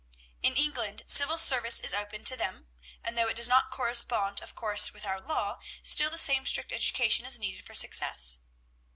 "In England, civil service is open to them; and though it does not correspond of course with our law, still the same strict education is needed for success.